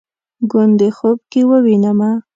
ګوندې خوب کې ووینمه